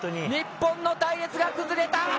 日本の隊列が崩れた。